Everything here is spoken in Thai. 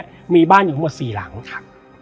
และวันนี้แขกรับเชิญที่จะมาเชิญที่เรา